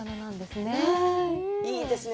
いいですね。